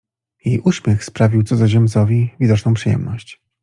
Jej uśmiech sprawił cudzoziemcowi widoczną przyjemność.